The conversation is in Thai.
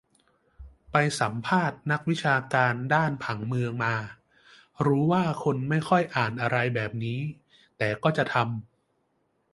ไปสัมภาษณ์นักวิชาการด้านผังเมืองมา รู้ว่าคนไม่ค่อยอ่านอะไรแบบนี้ แต่ก็จะทำ